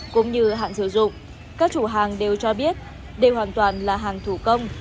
cũng như hạn sử dụng các chủ hàng đều cho biết đây hoàn toàn là hàng thủ công